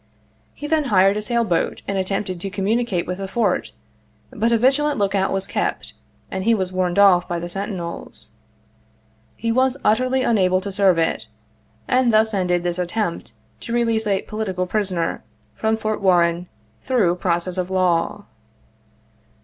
He then hired a sail boat and attempted to communicate with the fort ; but a vigilant lookout was kept, and he was warned off' by the sentinels. He was utterly unable to serve it ; and thus ended this attempt to release a "political prisoner" from Fort Warren through process of law.